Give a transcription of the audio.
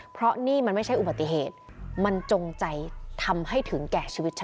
เพราะนี่มันไม่ใช่อุบัติเหตุมันจงใจทำให้ถึงแก่ชีวิตฉัน